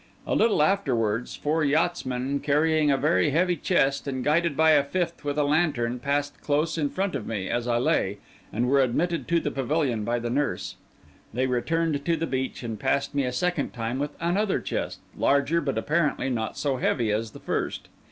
A little afterwards, four yachtsmen carrying a very heavy chest, and guided by a fifth with a lantern, passed close in front of me as I lay, and were admitted to the pavilion by the nurse. They returned to the beach, and passed me a second time with another chest, larger but apparently not so heavy as the first.